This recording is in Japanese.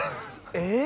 えっ？